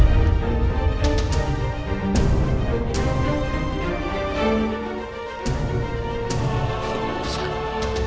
kamu siap pecat